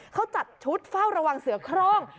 เขาจัดชุดเฝ้าระวังเสือโครง